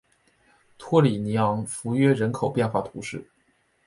托里尼昂弗约人口变化图示